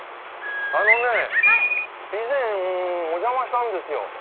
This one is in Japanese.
あのね以前お邪魔したんですよ。